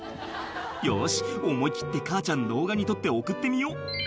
「よし思い切って母ちゃん動画に撮って送ってみよう」